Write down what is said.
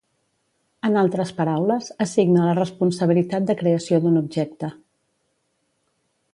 En altres paraules, assigna la responsabilitat de creació d’un objecte.